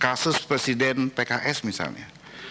kasus presiden pks misalnya